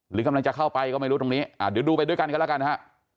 หรือกำลังจะเข้าไปก็ไม่รู้ตรงนี้เดี๋ยวดูไปด้วยกันกันแล้วกันฮะ